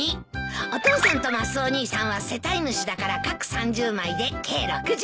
お父さんとマスオ兄さんは世帯主だから各３０枚で計６０枚。